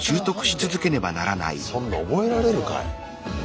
そんな覚えられるかい。